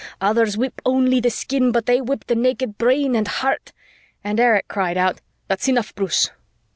Others whip only the skin, but they whip the naked brain and heart," and Erich called out, "That's enough, Bruce!"